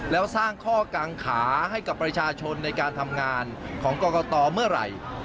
แล้วสร้างข้อกางขาให้กับประชาชนในการทำงานของกรกตเมื่อไหร่